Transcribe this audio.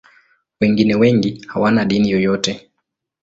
Wengine wengi hawana dini yoyote.